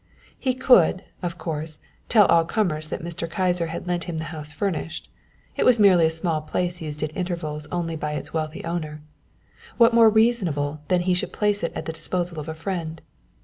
He could, of course, tell all comers that Mr. Kyser had lent him the house furnished. It was merely a small place used at intervals only by its wealthy owner. What more reasonable than that he should place it at the disposal of a friend?